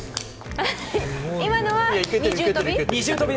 今のは二重跳び？